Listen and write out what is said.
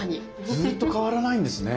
ずっと変わらないんですね。